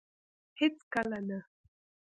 هيڅ کله نه